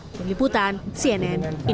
penghimpunan cnn indonesia